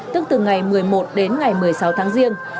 tức từ ngày một mươi một đến ngày một mươi sáu tháng riêng